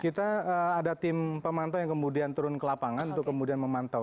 kita ada tim pemantau yang kemudian turun ke lapangan untuk kemudian memantau